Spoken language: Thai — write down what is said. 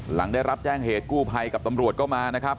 หลังได้รับแจ้งเหตุกู้ภัยกับตำรวจก็มานะครับ